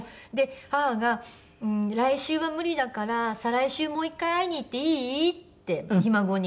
母が「来週は無理だから再来週もう１回会いに行っていい？」ってひ孫に。